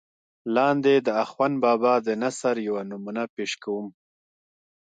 لاندې دَاخون بابا دَنثر يوه نمونه پېش کوم